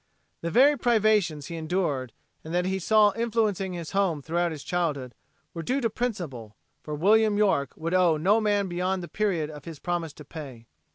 The very privations he endured and that he saw influencing his home throughout his childhood were due to principle, for William York would owe no man beyond the period of his promise to pay.